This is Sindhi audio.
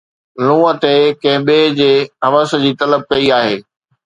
لُونءَ تي ڪنهن ٻئي جي حوس جي طلب ڪئي آهي